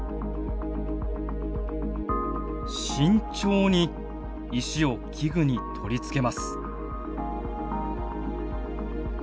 慎重に石を器具に取り付けます。